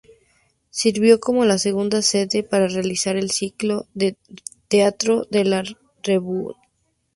Sirvió como la segunda sede para realizar el ciclo de teatro de la Revue.